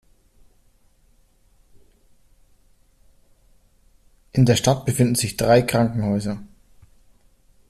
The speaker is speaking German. In der Stadt befinden sich drei Krankenhäuser.